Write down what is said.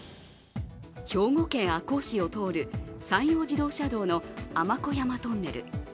兵庫県赤穂市を通る山陽自動車道の尼子山トンネル。